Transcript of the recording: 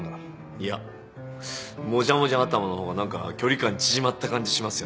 いやもじゃもじゃ頭の方が何か距離感縮まった感じしますよね。